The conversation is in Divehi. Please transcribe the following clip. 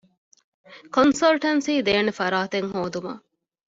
ކޮންސަލްޓެންސީދޭނެ ފަރާތެއް ހޯދުމަށް